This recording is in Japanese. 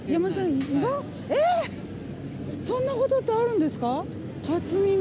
そんなことってあるんですか？